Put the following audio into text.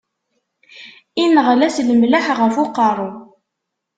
Inɣed-as lemleḥ ɣef uqeṛṛu.